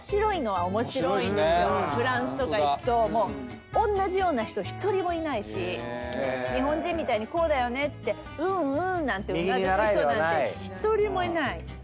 フランスとか行くと同じような人１人もいないし日本人みたいに「こうだよね」っつって「うんうん」なんてうなずく人なんて１人もいない。